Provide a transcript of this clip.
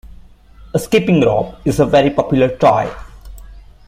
A skipping rope is a very popular toy